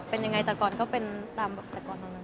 เป็นอย่างไรแต่ก่อนก็เป็นตามการนั้น